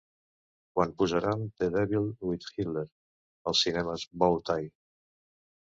Quan posaran The Devil with Hitler als cinemes Bow Tie